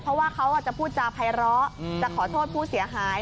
เพราะว่าเขาจะพูดจาภัยร้อจะขอโทษผู้เสียหาย